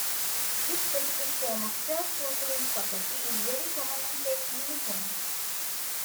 This specific form of self-fulfilling prophecy is very common and takes many forms.